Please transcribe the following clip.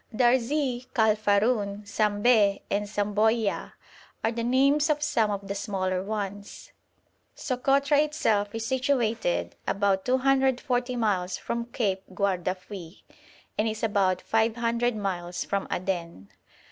Darzi, Kal Farun, Sambeh, and Samboyia are the names of some of the smaller ones. Sokotra itself is situated about 240 miles from Cape Guardafui, and is about 500 miles from Aden.